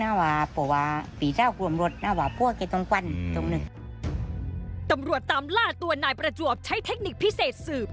ตำรวจตามล่าตัวนายประจวบใช้เทคนิคพิเศษสืบ